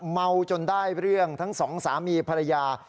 เมาจนได้เรื่องทั้งสองสามีภรรยา